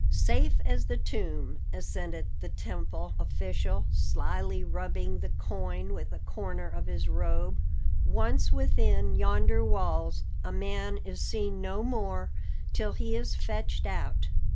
"Safe as the tomb," assented the temple official, slyly rubbing the coin with a corner of his robe. "Once within yonder walls, a man is seen no more till he is fetched out."